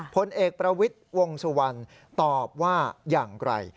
ผลเอกประวิทย์วงสุวรรณตอบว่าอย่างไร